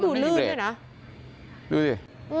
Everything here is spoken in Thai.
ดูดิ